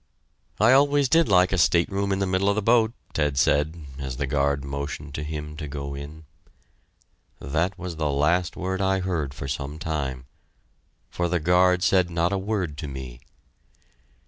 "I always did like a stateroom in the middle of the boat," Ted said, as the guard motioned to him to go in. That was the last word I heard for some time, for the guard said not a word to me.